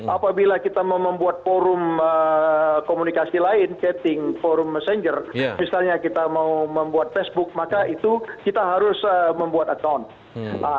apabila kita mau membuat forum komunikasi lain chatting forum messenger misalnya kita mau membuat facebook maka itu kita harus membuat account